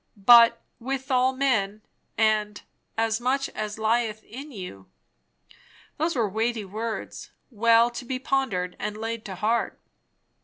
But "with all men," and "as much as lieth in you"; those were weighty words, well to be pondered and laid to heart.